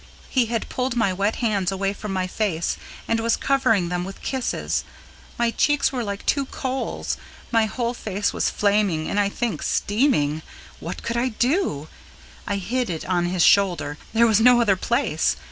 He had pulled my wet hands away from my face and was covering them with kisses. My cheeks were like two coals, my whole face was flaming and, I think, steaming. What could I do? I hid it on his shoulder there was no other place.